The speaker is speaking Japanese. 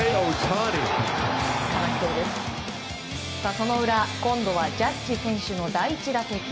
その裏今度はジャッジ選手の第１打席。